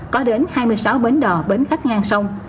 có đến hai mươi sáu bến đò bến khách ngang sông